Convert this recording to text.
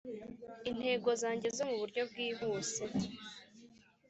Intego Zanjye Zo Mu Buryo Bwihuse